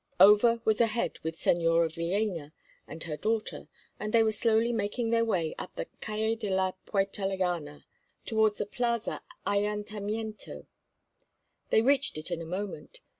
Over was ahead with the Señora Villéna and her daughter, and they were slowly making their way up the Calle de la Puerta Llana towards the Plaza Ayuntamiento. They reached it in a moment.